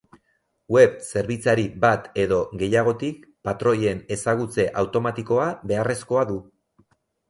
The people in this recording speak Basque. Web zerbitzari bat edo gehiagotik patroien ezagutze automatikoa beharrezkoa du.